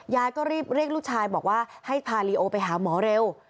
ยายก็รีบเรียกลูกชายบอกว่าให้พาลีโอไปหาหมอเร็ว